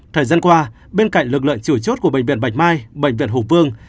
thời gian qua bên cạnh lực lượng chủ chốt của bệnh viện bạch mai bệnh viện hùng vương